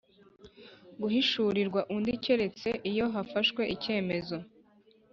guhishurirwa undi keretse iyo hafashwe icyemezo